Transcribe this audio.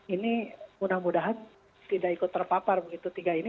ini mudah mudahan tidak ikut terpapar begitu tiga ini